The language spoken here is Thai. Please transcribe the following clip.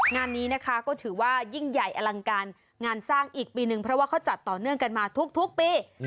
งานนี้นะคะก็ถือว่ายิ่งใหญ่อลังการงานสร้างอีกปีนึงเพราะว่าเขาจัดต่อเนื่องกันมาทุกปี